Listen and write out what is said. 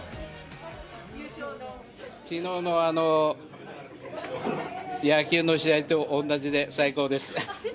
きのうの野球の試合と同じで、最高です。